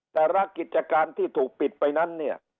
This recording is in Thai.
แต่ละกิจการที่ถูกปิดไปนั้นเนี่ย